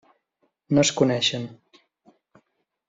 No es coneixen.